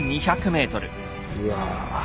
うわ。